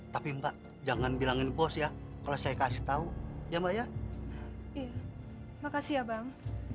tapi mbak jangan bilangin post ya kalau saya kasih tahu ya mbak ya makasih ya bang